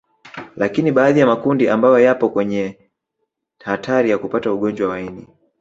Lakini baadhi ya makundi ambayo yapo kwenye hatari ya kupata ugonjwa wa ini